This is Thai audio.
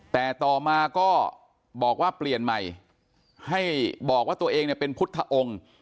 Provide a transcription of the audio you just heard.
แต่ต่อมาก็บอกว่าเปลี่ยนใหม่ให้บอกว่าตัวเองเนี่ยเป็นพุทธองค์